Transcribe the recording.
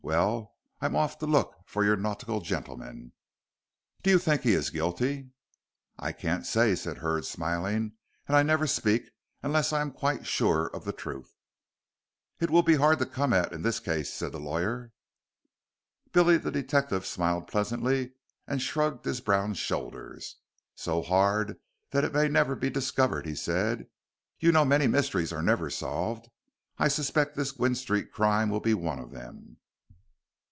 Well, I'm off to look for your nautical gentleman." "Do you think he is guilty?" "I can't say," said Hurd, smiling, "and I never speak unless I am quite sure of the truth." "It will be hard to come at, in this case," said the lawyer. Billy the detective smiled pleasantly and shrugged his brown shoulders. "So hard that it may never be discovered," he said. "You know many mysteries are never solved. I suspect this Gwynne Street crime will be one of them."